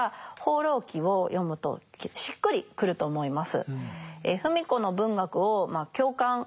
「放浪記」を読むとしっくりくると思います。